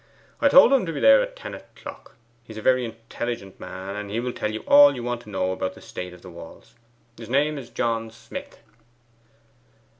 I told him to be there at ten o'clock. He's a very intelligent man, and he will tell you all you want to know about the state of the walls. His name is John Smith.